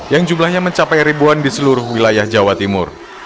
yang jumlahnya mencapai ribuan di seluruh wilayah jawa timur